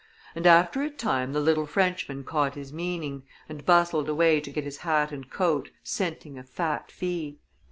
and after a time the little Frenchman caught his meaning, and bustled away to get his hat and coat, scenting a fat fee.